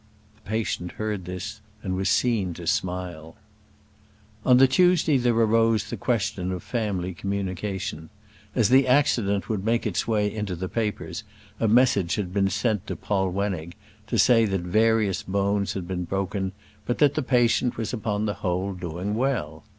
The patient heard this and was seen to smile. On the Tuesday there arose the question of family communication. As the accident would make its way into the papers a message had been sent to Polwenning to say that various bones had been broken, but that the patient was upon the whole doing well.